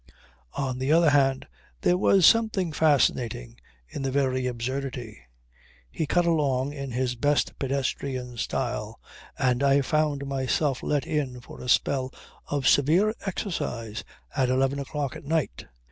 On the other hand there was something fascinating in the very absurdity. He cut along in his best pedestrian style and I found myself let in for a spell of severe exercise at eleven o'clock at night.